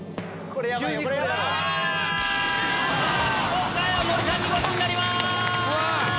今回は森さんにゴチになります！